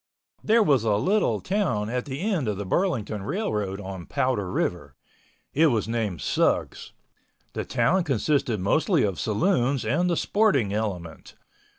There was a little town established at the end of the Burlington Railroad on Powder River. It was named Sugs. The town consisted mostly of saloons and the sporting element.